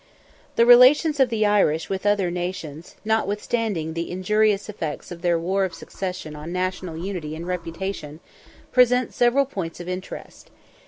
The relations of the Irish with other nations, notwithstanding the injurious effects of their War of Succession on national unity and reputation, present several points of interest.